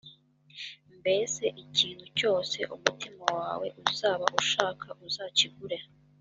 mbese ikintu cyose umutima wawe uzaba ushaka uzakigure.